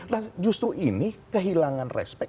nah justru ini kehilangan respect